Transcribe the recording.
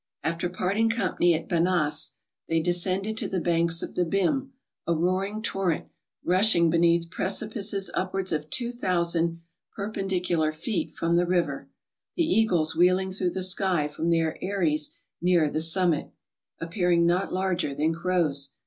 After part¬ ing company at Banass, they descended to the banks of the Bhim, a roaring torrent, rushing beneath pre¬ cipices upwards of 2000 perpendicular feet from the river; the eagles wlieeling through the sky from their eyries near the summit, appearing not larger than crows.